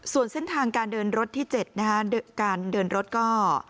ส่วนเส้นทางการเดินรถที่๗นะคะการเดินรถก็